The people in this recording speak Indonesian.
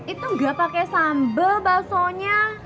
itu gak pake sambel balsonya